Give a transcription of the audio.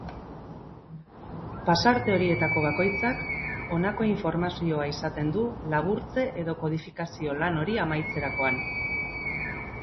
Pasarte horietako bakoitzak honako informazioa izaten du laburtze edo kodifikazio lan hori amaitzerakoan.